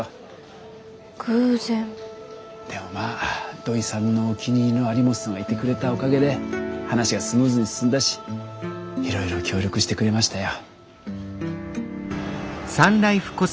でもまあ土井さんのお気に入りの有本さんがいてくれたおかげで話がスムーズに進んだしいろいろ協力してくれましたよ。